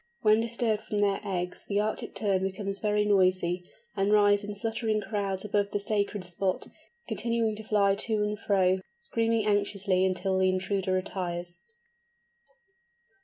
When disturbed from their eggs the Arctic Terns become very noisy, and rise in fluttering crowds above the sacred spot, continuing to fly to and fro, screaming anxiously until the intruder retires.